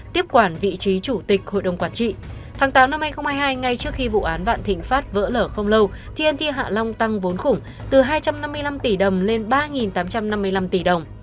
tháng tám năm hai nghìn hai mươi hai ngay trước khi vụ án vạn thịnh phát vỡ lở không lâu tnt hạ long tăng vốn khủng từ hai trăm năm mươi năm tỷ đồng lên ba tám trăm năm mươi năm tỷ đồng